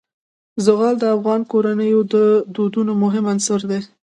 زغال د افغان کورنیو د دودونو مهم عنصر دی.